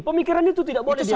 pemikiran itu tidak boleh diambil